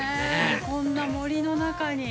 こんな森の中に。